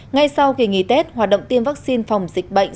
ngay sau kỳ nghỉ tết hoạt động tiêm vaccine phòng dịch bệnh